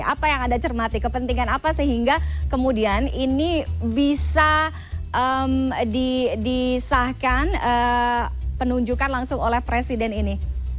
apa yang anda cermati kepentingan apa sehingga kemudian ini bisa disahkan penunjukan langsung oleh presiden ini